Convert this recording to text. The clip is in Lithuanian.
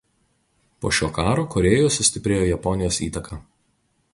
Po šio karo Korėjoje sustiprėjo Japonijos įtaka.